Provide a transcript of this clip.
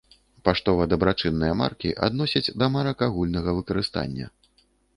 Паштова-дабрачынныя маркі адносяць да марак агульнага выкарыстання.